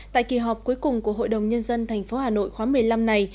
tại kỳ họp cuối cùng của hội đồng nhân dân thành phố hà nội khóa một mươi năm này